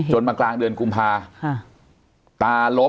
จนมากลางเดือนกุมภานี่ตาล้ม